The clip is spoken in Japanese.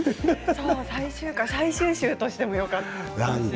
最終週としてもよかった。